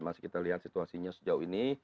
masih kita lihat situasinya sejauh ini